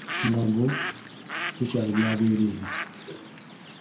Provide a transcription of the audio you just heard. Mulago tekyali bya bwereere